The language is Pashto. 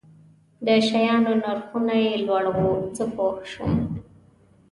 د شیانو نرخونه یې لوړ وو، زه پوه شوم.